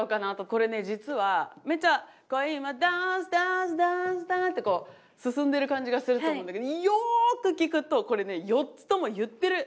これね実はめちゃ「恋もｄａｎｃｅ，ｄａｎｃｅ，ｄａｎｃｅ，ｄａｎｃｅ」ってこう進んでる感じがすると思うんだけどよく聴くとこれね４つとも言ってるニュアンス全然違うのよ。